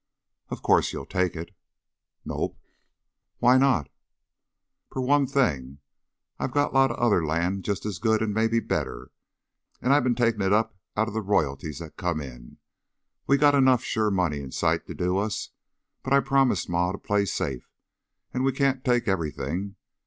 "Of course you'll take it." "Nope." "Why not?" "Per one thing, I got a lot of other land just as good an' mebbe better, an' I been takin' it up out of the royalties that come in. We got enough sure money in sight to do us, but I promised Ma to play safe, an' we can't take everything.